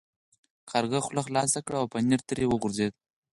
کارغه خوله خلاصه کړه او پنیر ترې وغورځید.